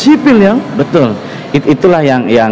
sipil yang betul itulah